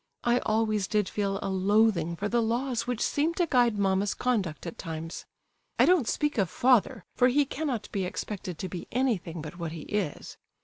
I always did feel a loathing for the laws which seem to guide mamma's conduct at times. I don't speak of father, for he cannot be expected to be anything but what he is.